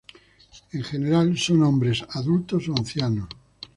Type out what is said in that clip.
En general son hombres adultos o ancianos.